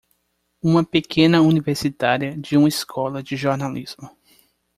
Uma pequena universitária de uma escola de jornalismo!